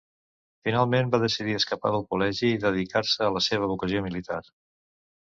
Finalment, va decidir escapar del col·legi i dedicar-se a la seva vocació militar.